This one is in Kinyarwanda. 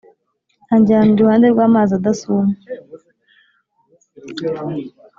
Anjyana iruhande rw’ amazi adasuma